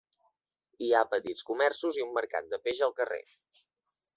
Hi ha petits comerços i un mercat de peix al carrer.